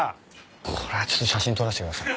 これはちょっと写真撮らせてください。